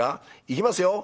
いきますよ。